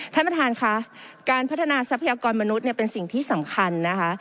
ท่านประธานค่ะการพัฒนาทรัพยากรมนุษย์เป็นสิ่งที่สำคัญนะคะ